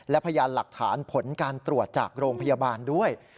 และพยานหลักฐานผลการตรวจจากโรงพยาบาลด้วย